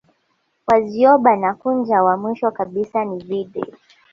Wazyoba na Kunja wa mwisho kabisa ni vide